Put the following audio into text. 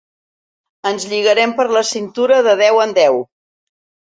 Ens lligarem per la cintura de deu en deu.